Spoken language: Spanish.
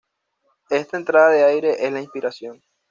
Esta entrada de aire es la inspiración.